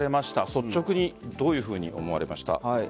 率直にどういうふうに思われました？